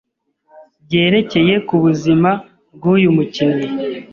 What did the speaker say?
byerekeye ku ubuzima bw’uyu mukinnyi